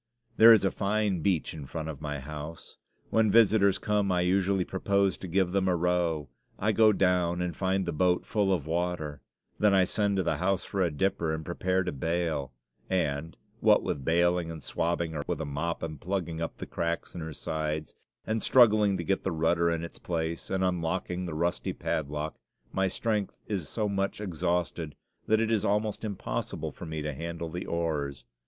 There is a fine beach in front of my house. When visitors come I usually propose to give them a row. I go down and find the boat full of water; then I send to the house for a dipper and prepare to bail; and, what with bailing and swabbing her with a mop and plugging up the cracks in her sides, and struggling to get the rudder in its place, and unlocking the rusty padlock, my strength is so much exhausted that it is almost impossible for me to handle the oars.